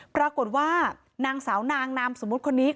ปรากฏว่านางสาวนางนามสมมุติคนนี้